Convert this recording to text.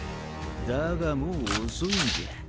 だがもう遅いんじゃ。